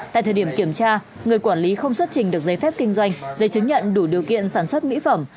tại thời điểm kiểm tra người quản lý không xuất trình được giấy phép kinh doanh giấy chứng nhận đủ điều kiện sản xuất mỹ phẩm